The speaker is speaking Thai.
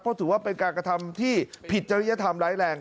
เพราะถือว่าเป็นการกระทำที่ผิดจริยธรรมร้ายแรง